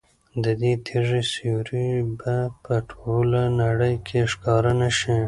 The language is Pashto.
د دې تیږې سیوری به په ټوله نړۍ کې ښکاره نه شي.